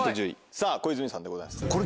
さぁ小泉さんでございます。